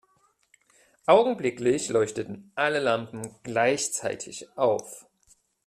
Augenblicklich leuchteten alle Lampen gleichzeitig auf.